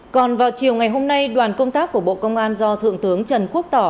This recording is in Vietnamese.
còn vào chiều ngày hôm nay đoàn công tác của bộ công an do thượng tướng trần quốc tỏ